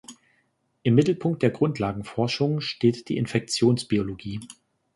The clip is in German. Im Mittelpunkt der Grundlagenforschung steht die Infektionsbiologie.